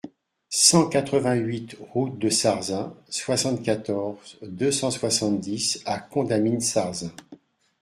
cent quatre-vingt-huit route de Sarzin, soixante-quatorze, deux cent soixante-dix à Contamine-Sarzin